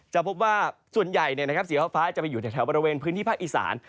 จะพบว่าส่วนใหญ่เนี่ยนะครับสีฟ้าฟ้าจะไปอยู่แถวบริเวณพื้นที่ภาคอีสาน